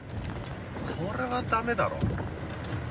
これは駄目だろ。